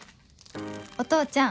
お父ちゃん